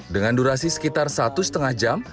dengan durasi sekitar satu lima jam